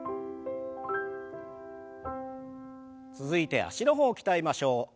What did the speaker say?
続いて脚の方鍛えましょう。